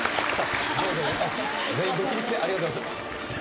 全員ご起立でありがとうございます。